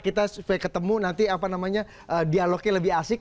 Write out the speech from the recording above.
kita supaya ketemu nanti apa namanya dialognya lebih asik